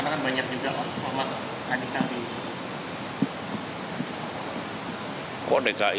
kemana kana kan banyak juga omas adik kami